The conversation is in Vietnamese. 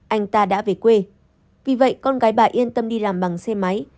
anh ta đã về quê vì vậy con gái bà yên tâm đi làm bằng xe máy